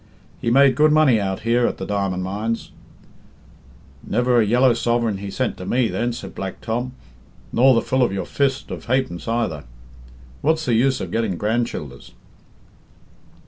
"'He made good money out here, at the diamond mines '" "Never a yellow sovereign he sent to me, then," said Black Tom, "nor the full of your fist of ha'pence either. What's the use of getting grand childers?"